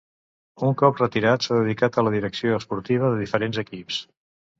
Un cop retirat s'ha dedicat a la direcció esportiva de diferents equips.